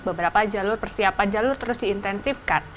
beberapa jalur persiapan jalur terus diintensifkan